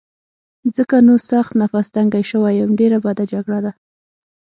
ځکه نو سخت نفس تنګی شوی یم، ډېره بده جګړه ده.